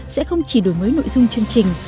sẽ không chỉ đổi mới nội dung chương trình